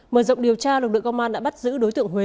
mở rộng điều tra lực lượng công an đã bắt giữ đối tượng huế